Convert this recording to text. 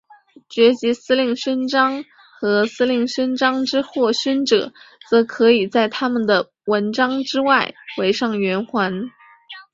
爵级司令勋章和司令勋章之获勋者则只可以在他们的纹章之外围上圆环。